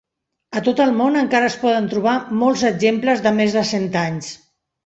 A tot el món encara es poden trobar molts exemples de més de cent anys.